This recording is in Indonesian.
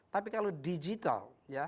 tapi kalau digital